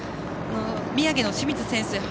宮城の清水選手